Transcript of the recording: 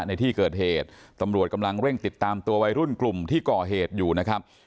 ในที่เกิดเหตุตำรวจกำลังเร่งติดตามตัววัยรุ่นกลุ่มที่ก่อเหตุอยู่นะครับ